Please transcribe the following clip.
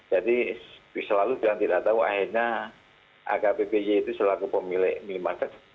jadi selalu bilang tidak tahu akhirnya akbpj itu selalu pemilik minimarket